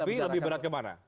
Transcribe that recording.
tapi lebih berat kemana